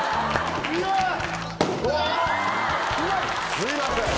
すいません。